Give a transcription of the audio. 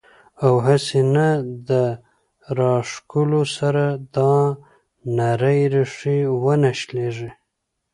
او هسې نه د راښکلو سره دا نرۍ ريښې ونۀ شليږي